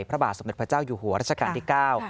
พระบาทสมเด็จพระเจ้าอยู่หัวรัชกาลที่๙